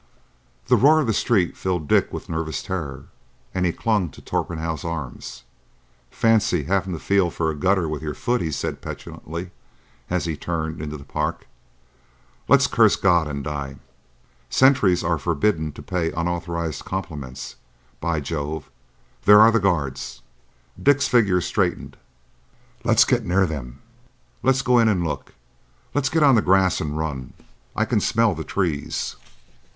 The roar of the streets filled Dick with nervous terror, and he clung to Torpenhow's arm. "Fancy having to feel for a gutter with your foot!" he said petulantly, as he turned into the Park. "Let's curse God and die." "Sentries are forbidden to pay unauthorised compliments. By Jove, there are the Guards!" Dick's figure straightened. "Let's get near 'em. Let's go in and look. Let's get on the grass and run. I can smell the trees."